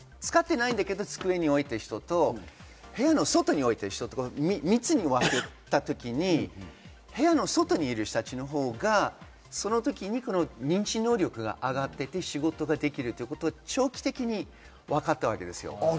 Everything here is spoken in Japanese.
実際使っている人と、それから使っていないけど机に置いている人と部屋の外に置いている人と３つに分けたときに部屋の外にいる人たちのほうが、その時に認知能力が上がっていて仕事ができるということが長期的にわかったわけです。